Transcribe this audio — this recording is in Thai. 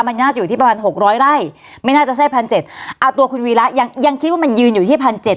มันน่าจะอยู่ที่ประมาณหกร้อยไร่ไม่น่าจะใช่พันเจ็ดเอาตัวคุณวีระยังยังคิดว่ามันยืนอยู่ที่พันเจ็ด